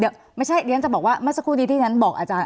เดี๋ยวไม่ใช่เรียนจะบอกว่าเมื่อสักครู่นี้ที่ฉันบอกอาจารย์